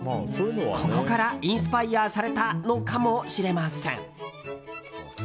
ここからインスパイアされたのかもしれません。